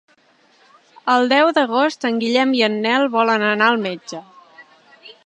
El deu d'agost en Guillem i en Nel volen anar al metge.